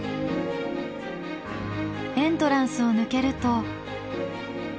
エントランスを抜けると。